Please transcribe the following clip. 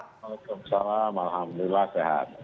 waalaikumsalam alhamdulillah sehat